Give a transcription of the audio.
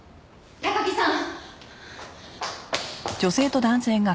高木さん！